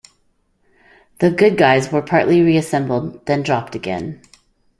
The "Good Guys" were partly reassembled, then dropped again.